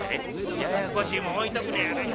「もうややこしいもん置いとくのやない。